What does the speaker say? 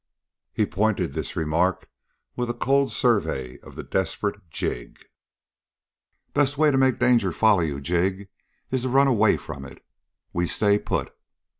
He pointed this remark with a cold survey of the "desperate" Jig. "But the best way to make danger follow you, Jig, is to run away from it. We stay put!"